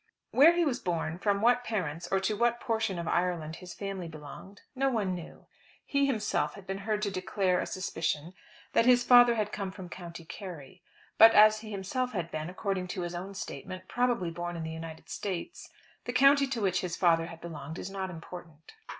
Where he was born, from what parents, or to what portion of Ireland his family belonged, no one knew. He himself had been heard to declare a suspicion that his father had come from County Kerry. But as he himself had been, according to his own statement, probably born in the United States, the county to which his father had belonged is not important.